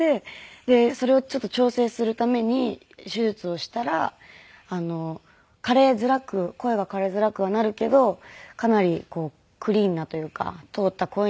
でそれをちょっと調整するために手術をしたら枯れづらく声が枯れづらくはなるけどかなりクリーンなというか通った声にはなるって言われて。